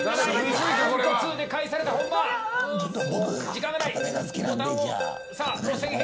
時間がない！